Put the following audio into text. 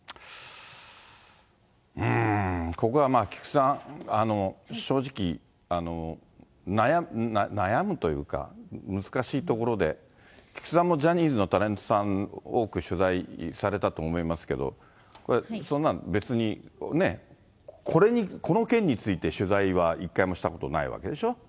ここはまあ、菊池さん、正直、悩むというか、難しいところで、菊池さんもジャニーズのタレントさん、多く取材されたと思いますけど、これ、そんなん別にね、これに、この件について取材は一回もしたことないわけでしょ。